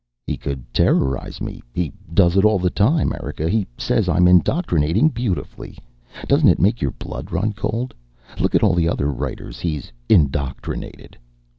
"He could terrorize me. He does it all the time. Erika, he says I'm indoctrinating beautifully. Doesn't it make your blood run cold? Look at all the other writers he's indoctrinated."